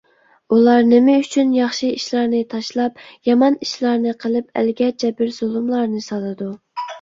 ئۇلار نېمە ئۈچۈن ياخشى ئىشلارنى تاشلاپ، يامان ئىشلارنى قىلىپ، ئەلگە جەبىر - زۇلۇملارنى سالىدۇ؟